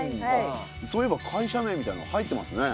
そういえば会社名みたいなの入ってますね。